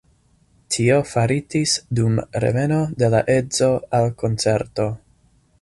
Tio faritis dum reveno de la edzo el koncerto.